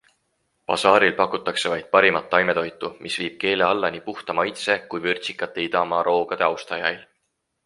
Basaaril pakutakse vaid parimat taimetoitu, mis viib keele alla nii puhta maitse kui vürtsikate idamaaroogade austajail.